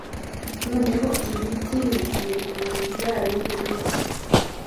noneho ibiti bibwira umuzabibu, biti